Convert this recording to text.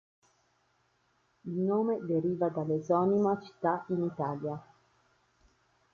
Il nome deriva dall'esonima città in Italia.